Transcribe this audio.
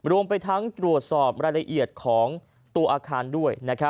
รวมไปทั้งตรวจสอบรายละเอียดของตัวอาคารด้วย